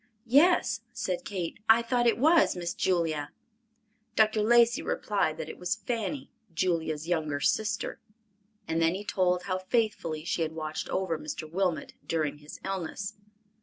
"Yes," said Kate, "I thought it was Miss Julia." Dr. Lacey replied that it was Fanny—Julia's younger sister; and then he told how faithfully she had watched over Mr. Wilmot during his illness.